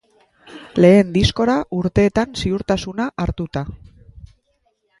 Lehen diskora urteetan ziurtasuna hartuta.